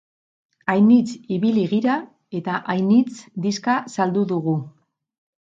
Ainitz ibili gira eta ainitz diska saldu dugu.